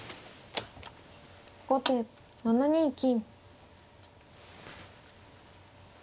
後手７二金。